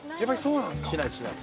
しない、しない。